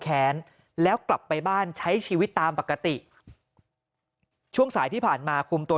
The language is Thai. แค้นแล้วกลับไปบ้านใช้ชีวิตตามปกติช่วงสายที่ผ่านมาคุมตัว